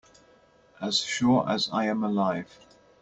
As sure as I am alive.